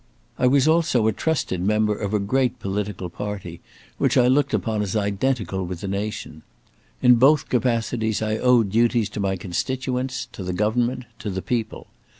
I was also a trusted member of a great political party which I looked upon as identical with the nation. In both capacities I owed duties to my constituents, to the government, to the people.